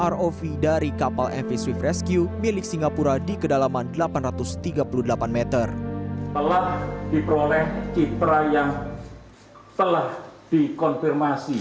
rov dari kapal mv swift rescue milik singapura di kedalaman delapan ratus tiga puluh delapan meter